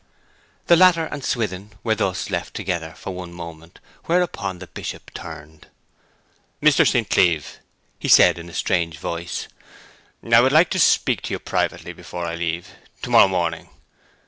The latter and Swithin were thus left together for one moment, whereupon the Bishop turned. 'Mr. St. Cleeve,' he said in a strange voice, 'I should like to speak to you privately, before I leave, to morrow morning.